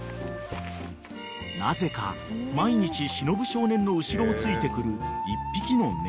［なぜか毎日忍少年の後ろをついてくる１匹の猫］